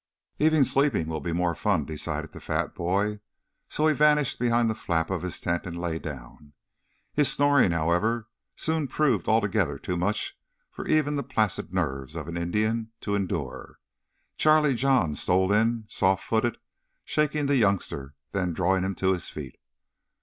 "Even sleeping will be more fun," decided the fat boy. So he vanished behind the flap of his tent and lay down. His snoring, however, soon proved altogether too much for even the placid nerves of an Indian to endure. Charlie John stole in soft footed, shaking the youngster, then drawing him to his feet.